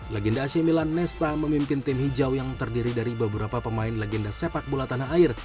legenda ac milan nesta memimpin tim hijau yang terdiri dari beberapa pemain legenda sepak bola tanah air